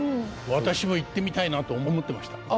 私も行ってみたいなと思ってました。